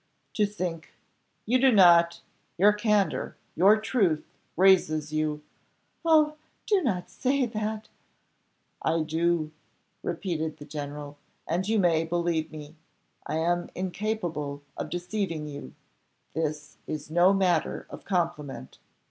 "To sink! You do not: your candour, your truth raises you " "Oh! do not say that " "I do," repeated the general, "and you may believe me. I am incapable of deceiving you this is no matter of compliment.